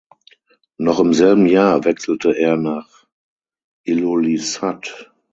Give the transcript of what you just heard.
Noch im selben Jahr wechselte er nach Ilulissat.